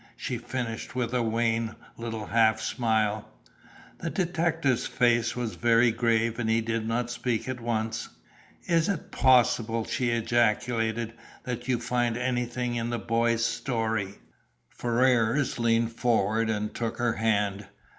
She finished with a wan little half smile. The detective's face was very grave and he did not speak at once. "Is it possible," she ejaculated, "that you find anything in the boy's story?" Ferrars leaned forward and took her hand.